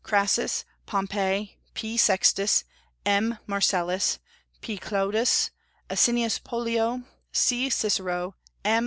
Crassus, Pompey, P. Sextus, M. Marcellus, P. Clodius, Asinius Pollio, C. Cicero, M.